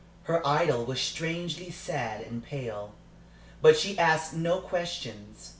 Her idol was strangely sad and pale. But she asked no questions.